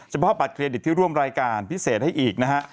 บัตรเครดิตที่ร่วมรายการพิเศษให้อีกนะฮะ